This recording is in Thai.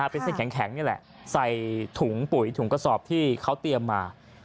เป็นเส้นแข็งนี่แหละใส่ถุงปุ๋ยถุงกระสอบที่เขาเตรียมมา